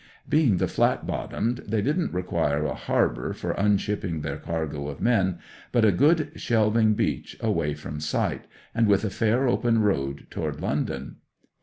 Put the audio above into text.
Being flat bottomed, they didn't require a harbour for unshipping their cargo of men, but a good shelving beach away from sight, and with a fair open road toward London.